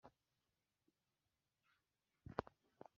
Baragira ngw'iki?